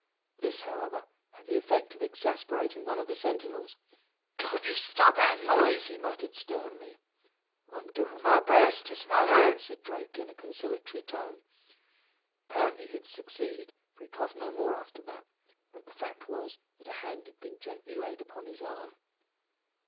This, however, had the effect of exasperating one of the sentinels. "Can't you stop that noise?" he muttered, sternly. "I'm doin' my best to smother it," said Drake in a conciliatory tone. Apparently he had succeeded, for he coughed no more after that. But the fact was that a hand had been gently laid upon his arm.